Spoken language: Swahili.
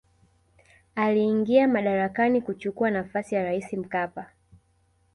aliingia madarakani kuchukua nafasi ya raisi mkapa